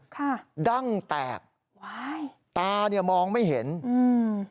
ค่ะดั้งแตกว้ายตาเนี้ยมองไม่เห็นอืม